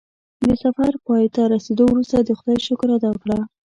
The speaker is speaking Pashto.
د سفر پای ته رسېدو وروسته د خدای شکر ادا کړه.